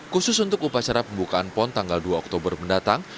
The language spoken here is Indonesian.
khusus untuk upacara pembukaan pon tanggal dua oktober mendatang